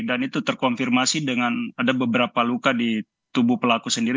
itu terkonfirmasi dengan ada beberapa luka di tubuh pelaku sendiri